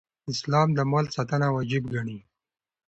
اسلام د مال ساتنه واجب ګڼي